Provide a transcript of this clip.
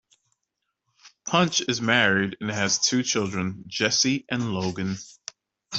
Punch is married and has two children, Jessie and Logan.